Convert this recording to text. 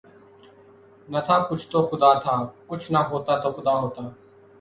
نہ تھا کچھ تو خدا تھا، کچھ نہ ہوتا تو خدا ہوتا